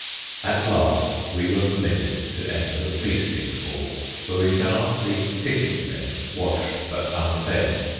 At last we were permitted to enter the feasting hall, where we found the "ticket men" washed but unfed.